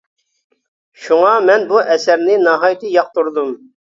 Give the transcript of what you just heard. شۇڭا مەن بۇ ئەسەرنى ناھايىتى ياقتۇردۇم.